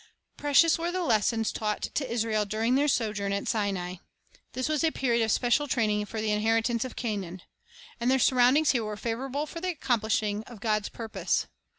Precious were the lessons taught to Israel during their sojourn at Sinai. This was a period of special training for the inheritance of Canaan. And their sur roundings here were favorable for the accomplishing of God's purpose.